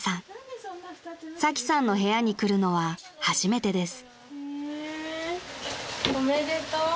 ［サキさんの部屋に来るのは初めてです］